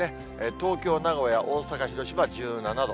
東京、名古屋、大阪、広島、１７度。